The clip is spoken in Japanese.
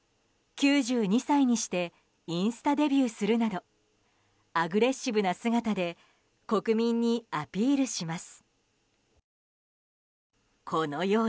９２歳にしてインスタデビューするなどアグレッシブな姿で国民にアピールします。